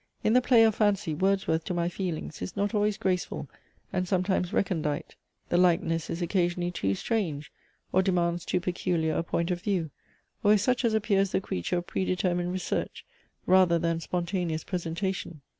In the play of fancy, Wordsworth, to my feelings, is not always graceful, and sometimes recondite. The likeness is occasionally too strange, or demands too peculiar a point of view, or is such as appears the creature of predetermined research, rather than spontaneous presentation.